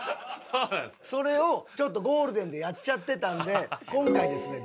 それをちょっとゴールデンでやっちゃってたんで今回ですね